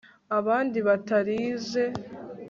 abandi batarize